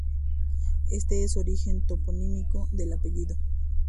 Este es el origen toponímico del apellido.